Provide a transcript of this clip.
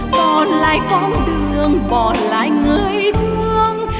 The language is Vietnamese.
bỏ lại con đường bỏ lại người thương